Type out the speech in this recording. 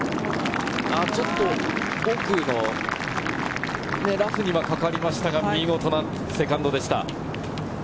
ちょっと奥のラフにかかりましたが、見事なセカンドでした。